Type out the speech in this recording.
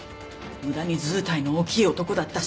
無駄にずうたいの大きい男だったし。